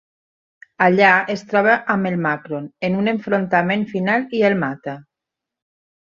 Allà es troba amb el Makron en un enfrontament final i el mata.